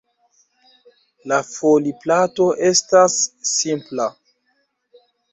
La foliplato estas simpla.